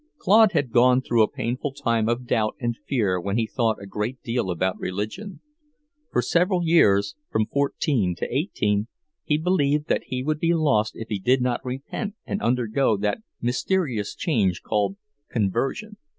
Claude had gone through a painful time of doubt and fear when he thought a great deal about religion. For several years, from fourteen to eighteen, he believed that he would be lost if he did not repent and undergo that mysterious change called conversion.